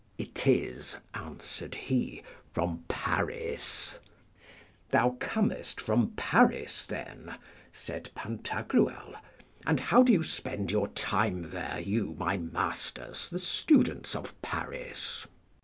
It is, answered he, from Paris. Thou comest from Paris then, said Pantagruel; and how do you spend your time there, you my masters the students of Paris?